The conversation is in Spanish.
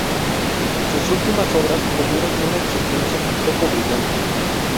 Sus últimas obras tuvieron una existencia poco brillante.